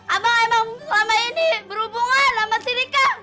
abang emang selama ini berhubungan sama si rika